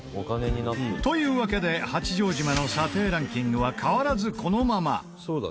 というわけで八丈島の査定ランキングは変わらずこのまま。